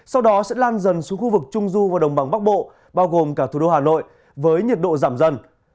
sau đó sẽ lan dần xuống khu vực trung du và đồng bằng bắc bộ bao gồm cả thủ đô hà nội với nhiệt độ giảm dần